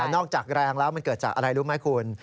จากแรงแล้วมันเกิดจากอะไรรู้ไหมคุณ